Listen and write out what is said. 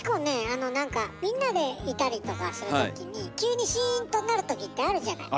あの何かみんなでいたりとかする時に急にシーンとなる時ってあるじゃない？